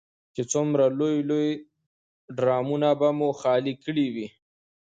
چې څومره لوی لوی ډرمونه به مو خالي کړي وي.